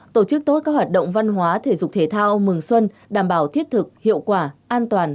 tổ chức tốt các hoạt động văn hóa thể dục thể thao mừng xuân đảm bảo thiết thực hiệu quả an toàn